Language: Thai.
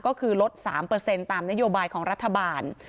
ก็คือลด๓เปอร์เซ็นต์ตามนโยบายของรัฐบาล